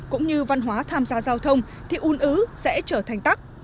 cũng như văn hóa tham gia giao thông thì un ứ sẽ trở thành tắc